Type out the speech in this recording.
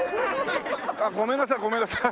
あっごめんなさいごめんなさい。